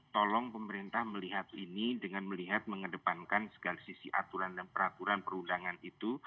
tolong pemerintah melihat ini dengan melihat mengedepankan segala sisi aturan dan peraturan perundangan itu